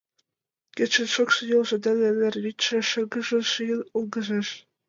Кечын шокшо йолжо дене эҥер вӱдшӧ, шыргыжын, шийын йылгыжеш.